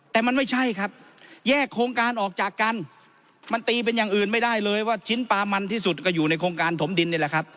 แต่มันไม่ใช่ครับแยกโครงการออกจากกันมันตีเป็นอย่างอื่นไม่ได้เลยว่าชิ้นปลามันที่สุดก็อยู่ในโครงการถมดินนี่แหละครับ